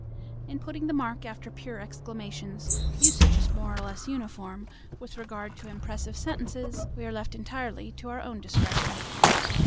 In putting the mark after pure exclamations, usage is more or less uniform; with regard to impressive sentences, we are left entirely to our own discretion.